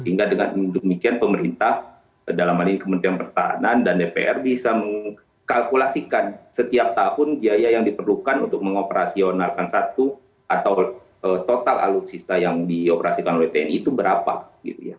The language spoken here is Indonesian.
sehingga dengan demikian pemerintah dalam hal ini kementerian pertahanan dan dpr bisa mengkalkulasikan setiap tahun biaya yang diperlukan untuk mengoperasionalkan satu atau total alutsista yang dioperasikan oleh tni itu berapa gitu ya